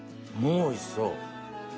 もうおいしそう。